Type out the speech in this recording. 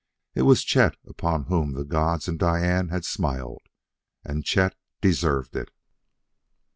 It was Chet upon whom the gods and Diane had smiled. And Chet deserved it.